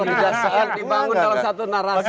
dibangun dalam satu narasi